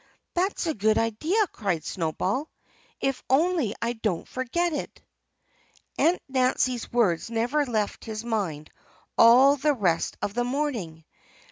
"That's a good idea!" cried Snowball. "If only I don't forget it!" Aunt Nancy's words never left his mind all the rest of the morning.